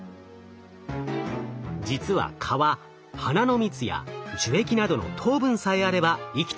実は蚊は花の蜜や樹液などの糖分さえあれば生きていけるといいます。